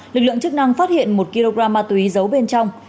lực lượng chức năng phát hiện một kg ma túy giấu bên trong